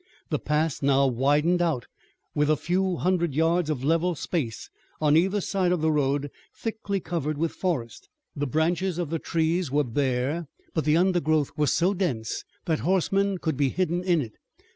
The pass now widened out with a few hundred yards of level space on either side of the road thickly covered with forest. The branches of the trees were bare, but the undergrowth was so dense that horsemen could be hidden in it.